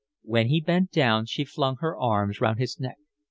When he bent down she flung her arms round his neck.